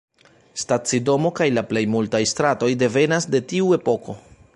Stacidomo kaj la plej multaj stratoj devenas de tiu epoko.